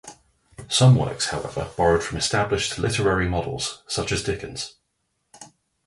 Some works, however, borrowed from established literary models, such as Dickens.